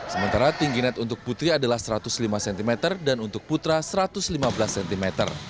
sementara tinggi net untuk putri adalah satu ratus lima cm dan untuk putra satu ratus lima belas cm